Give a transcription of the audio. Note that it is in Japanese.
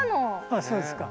ああそうですか。